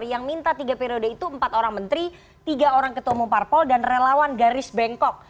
yang minta tiga periode itu empat orang menteri tiga orang ketua umum parpol dan relawan garis bengkok